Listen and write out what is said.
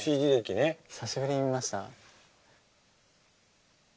久しぶりに見ました。